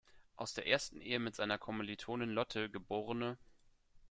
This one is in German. Aus der ersten Ehe mit seiner Kommilitonin Lotte geb.